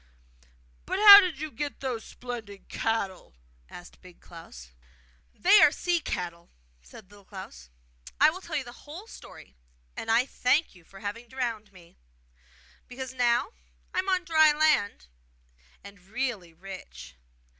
'But how did you get those splendid cattle?' asked Big Klaus. 'They are sea cattle!' said Little Klaus. 'I will tell you the whole story, and I thank you for having drowned me, because now I am on dry land and really rich!